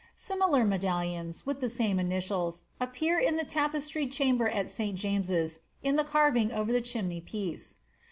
Similar medallions, with the same initials, appear in the tapestried chamber at St. James'f in the carving over the chimney piece.